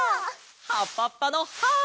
「はっぱっぱのハーッ！」